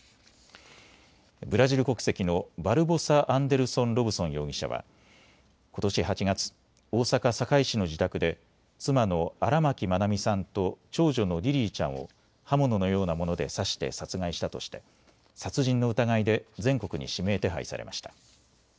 ブラジル国籍のバルボサ・アンデルソン・ロブソン容疑者はことし８月、大阪堺市の自宅で妻の荒牧愛美さんと長女のリリィちゃんを刃物のようなもので刺して殺害したとして殺人の疑いで全国に指名手配されました。